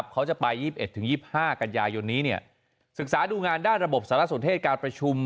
เขาจะไป๒๑๒๕กันยายนนี้ศึกษาดูงานด้านระบบสารสนเทศการประชุม